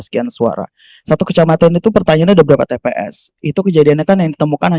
sekian suara satu kecamatan itu pertanyaannya beberapa tps itu kejadian akan yang ditemukan